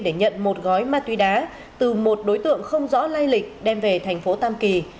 để nhận một gói ma túy đá từ một đối tượng không rõ lây lịch đem về thành phố tam kỳ